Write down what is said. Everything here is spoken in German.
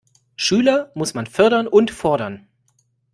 Schüler muss man fördern und fordern.